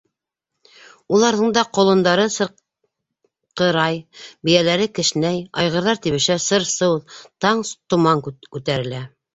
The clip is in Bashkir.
Уларҙың да ҡолондары сырҡырай, бейәләре кешнәй, айғырҙар тибешә, сыр-сыу, саң-томан күтәрелә.